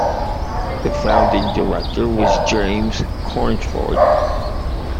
The founding director was James Cornford.